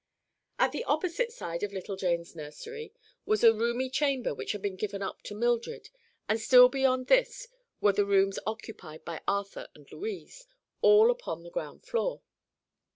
At the opposite side of little Jane's nursery was a roomy chamber which had been given up to Mildred, and still beyond this were the rooms occupied by Arthur and Louise, all upon the ground floor.